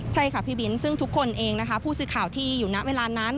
ใช่ค่ะพี่บินซึ่งทุกคนเองนะคะผู้สื่อข่าวที่อยู่ณเวลานั้น